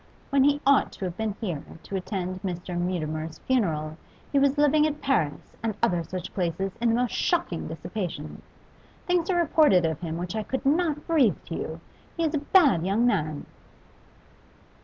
When he ought to have been here to attend Mr. Mutimer's funeral, he was living at Paris and other such places in the most shocking dissipation. Things are reported of him which I could not breathe to you; he is a bad young man!